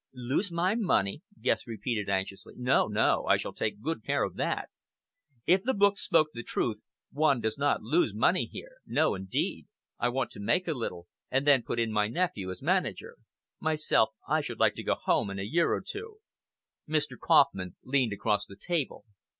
"Lose my money," Guest repeated anxiously. "No! no! I shall take good care of that. If the books spoke the truth, one does not lose money here! No! indeed. I want to make a little, and then put in my nephew as manager. Myself I should like to go home in a year or two." Mr. Kauffman leaned across the table.